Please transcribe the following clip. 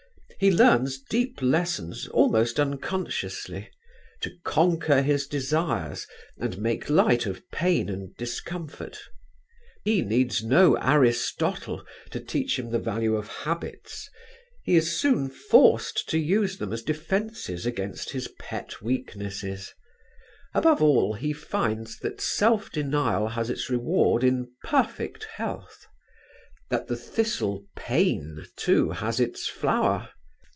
He learns deep lessons almost unconsciously; to conquer his desires and make light of pain and discomfort. He needs no Aristotle to teach him the value of habits; he is soon forced to use them as defences against his pet weaknesses; above all he finds that self denial has its reward in perfect health; that the thistle pain, too, has its flower.